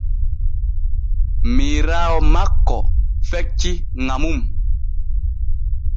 Miiraawo makko fecci ŋa mum.